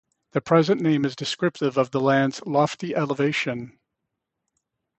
The present name is descriptive of the land's lofty elevation.